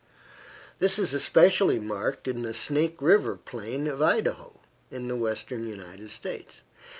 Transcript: This is especially marked in the Snake River plain of Idaho, in the western United States.